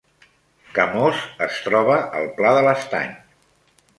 Camós es troba al Pla de l’Estany